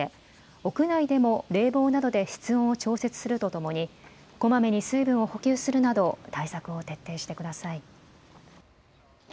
屋内でも冷房などで室温を調節するとともにこまめに水分を補給するなど対策を徹底してください。